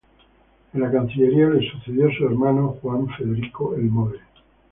En la cancillería le sucedió su hermano Juan Federico Elmore.